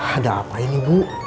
ada apa ini bu